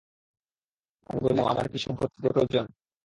আমি বলিলাম–আমার আর সম্পত্তিতে প্রয়োজন কী?